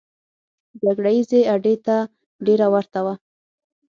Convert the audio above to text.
جګړه ییزې اډې ته ډېره ورته وه.